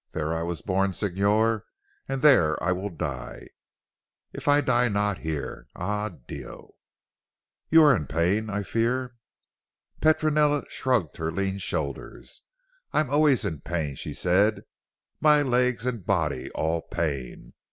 There I was born Signor, and there will I die if I die not here. Ah Dio!" "You are in pain I fear?" Petronella shrugged her lean shoulders "I am always in pain," she said, "my legs and body all pain.